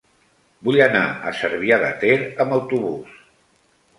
Vull anar a Cervià de Ter amb autobús.